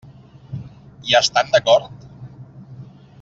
Hi estan d'acord?